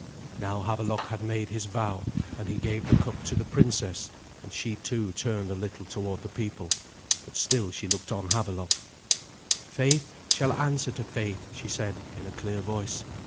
Now Havelok had made his vow, and he gave the cup to the princess; and she, too, turned a little toward the people, but still she looked on Havelok. "Faith shall answer to faith," she said in a clear voice.